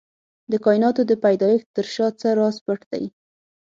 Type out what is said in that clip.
د کائناتو د پيدايښت تر شا څه راز پټ دی؟